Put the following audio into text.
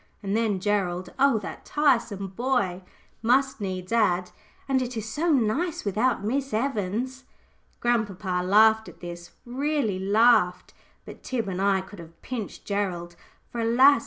And then Gerald oh, that tiresome boy! must needs add "And it is so nice without Miss Evans!" Grandpapa laughed at this, really laughed; but Tib and I could have pinched Gerald. For, alas!